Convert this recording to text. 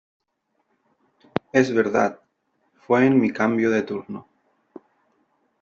es verdad , fue en mi cambio de turno .